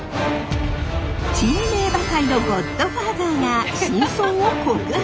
珍名馬界のゴッドファーザーが真相を告白！